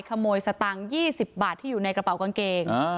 สตางค์๒๐บาทที่อยู่ในกระเป๋ากางเกง